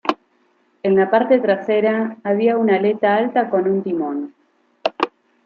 En la parte trasera había una aleta alta con un timón.